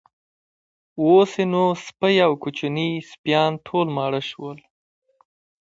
اوس یې نو سپۍ او کوچني سپیان ټول ماړه شول.